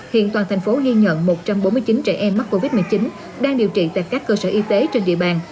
hiện toàn thành phố ghi nhận một trăm bốn mươi chín trẻ em mắc covid một mươi chín đang điều trị tại các cơ sở y tế trên địa bàn